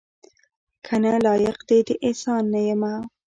کنه لایق دې د احسان نه یمه